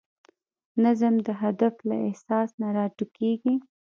نظم د هدف له احساس نه راټوکېږي.